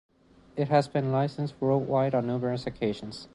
It has been licensed worldwide on numerous occasions.